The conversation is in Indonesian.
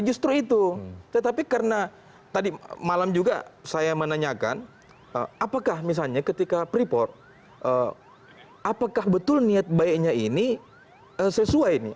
justru itu tetapi karena tadi malam juga saya menanyakan apakah misalnya ketika freeport apakah betul niat baiknya ini sesuai nih